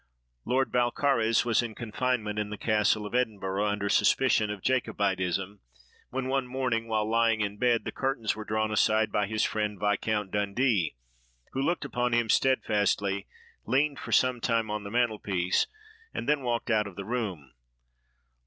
Lord Balcarres was in confinement in the castle of Edinburgh, under suspicion of Jacobitism, when one morning, while lying in bed, the curtains were drawn aside by his friend, Viscount Dundee, who looked upon him steadfastly, leaned for some time on the mantel piece, and then walked out of the room.